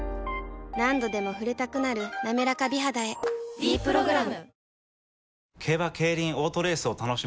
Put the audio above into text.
何度でも触れたくなる「なめらか美肌」へ「ｄプログラム」